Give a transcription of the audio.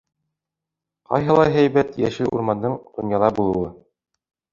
Ҡайһылай һәйбәт йәшел урмандың донъяла булыуы!